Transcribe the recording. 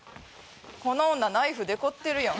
この女ナイフデコってるやん。